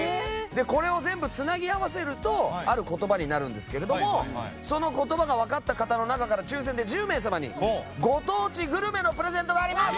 これを全部繋ぎ合わせるとある言葉になるんですけれどもその言葉がわかった方の中から抽選で１０名様にご当地グルメのプレゼントがあります。